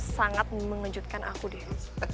sangat mengejutkan aku deh